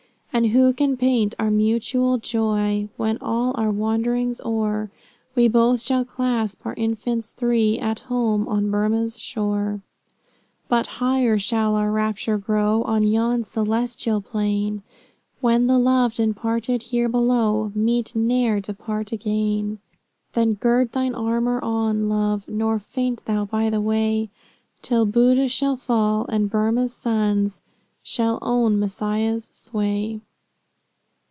And who can paint our mutual joy, When, all our wanderings o'er, We both shall clasp our infants three, At home, on Burmah's shore. But higher shall our raptures glow, On yon celestial plain, When the loved and parted here below Meet, ne'er to part again. Then gird thine armor on, Love, Nor faint thou by the way, Till Boodh shall fall, and Burmah's sons Shall own Messiah's sway."